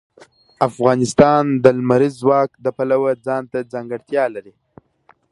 افغانستان د لمریز ځواک د پلوه ځانته ځانګړتیا لري.